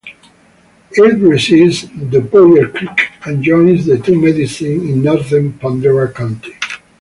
It receives Dupuyer Creek and joins the Two Medicine in northern Pondera County.